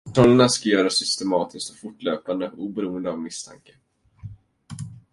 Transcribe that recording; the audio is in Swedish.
Kontrollerna ska göras systematiskt och fortlöpande oberoende av misstanke.